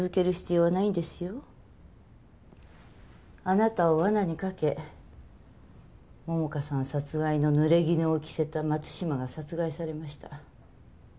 あなたを罠にかけ桃花さん殺害の濡れ衣を着せた松島が殺害されました。